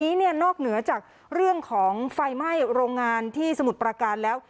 นี้เนี่ยนอกเหนือจากเรื่องของไฟไหม้โรงงานที่สมุทรประการแล้ว